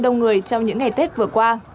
đông người trong những ngày tết vừa qua